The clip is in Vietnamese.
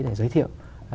để giới thiệu